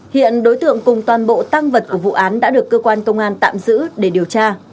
hiện đối tượng cùng toàn bộ tăng vật của vụ án đã được cơ quan công an tạm giữ để điều tra